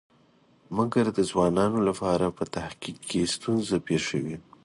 مګر د ځوانانو لپاره په تحقیق کې ستونزه پېښوي.